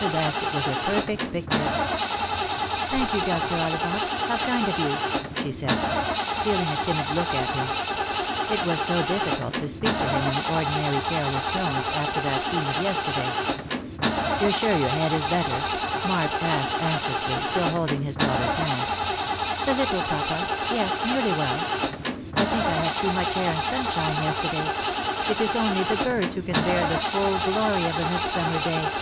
The basket was a perfect pic ture." " Thank you, Dr. Ollivant. How kind of you !" she said, stealing a timid look at him. It was so difficult to speak to him in the ordinary careless tones, after that scene of yester day. " You're sure the head is better ?" Mark asked anxiously still holding his daughter's hand. " A little, papa ; yes, nearly well. I think I had too much air and sunshine yesterday. It is only the birds who can bear the full glory of a midsummer day."